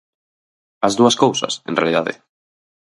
As dúas cousas, en realidade.